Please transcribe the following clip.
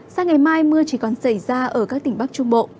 sang ngày mai mưa chỉ còn xảy ra ở các tỉnh bắc trung bộ